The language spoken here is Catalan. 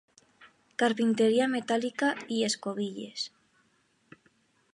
"Carpinteria metàl·lica" i "escobilles".